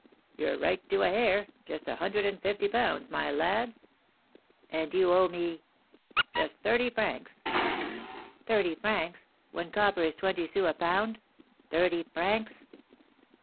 "You're right to a hair, just a hundred and fifty pounds, my lad." "And you owe me " "Just thirty francs." "Thirty francs! when copper is twenty sous a pound? Thirty francs!"